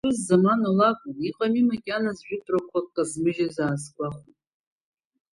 Аԥҳәыс замана лакәын, иҟами макьана зжәытәрақәа казмыжьыц аасгәахәит.